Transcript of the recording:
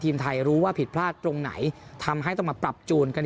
ทีมไทยรู้ว่าผิดพลาดตรงไหนทำให้ต้องมาปรับจูนกัน